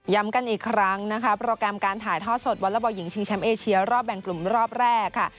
กันอีกครั้งนะคะโปรแกรมการถ่ายทอดสดวอลบอลหญิงชิงแชมป์เอเชียรอบแบ่งกลุ่มรอบแรกค่ะ